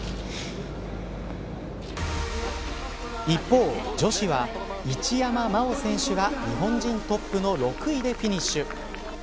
一方、女子は一山麻緒選手が日本人トップの６位でフィニッシュ。